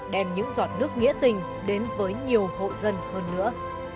đem những giọt nước nghĩa tình đến với nhiều hộ dân hơn nữa